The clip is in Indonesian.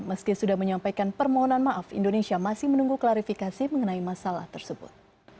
meski sudah menyampaikan permohonan maaf indonesia masih menunggu klarifikasi mengenai masalah tersebut